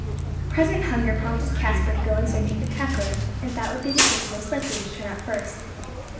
Present hunger prompted Caspar to go in search of the kakur, as that would be the game most likely to turn up first.